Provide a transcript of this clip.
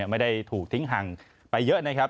ไม่ได้ถูกทิ้งห่างไปเยอะนะครับ